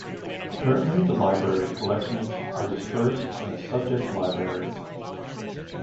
Currently, the library's collections are dispersed in the subject libraries.